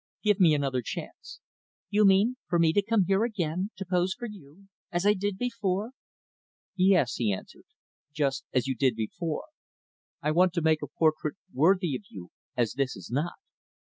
Give me another chance." "You mean for me to come here again, to pose for you? as I did before?" "Yes," he answered, "just as you did before. I want to make a portrait worthy of you, as this is not.